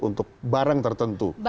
untuk barang tertentu